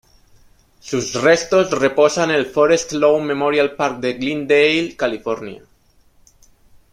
Sus restos reposan el Forest Lawn Memorial Park de Glendale, California.